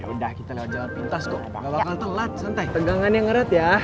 yaudah kita lewat jalan pintas kok gak bakal telat santai tegangannya ngeret ya